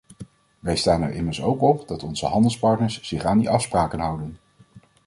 Wij staan er immers ook op dat onze handelspartners zich aan die afspraken houden.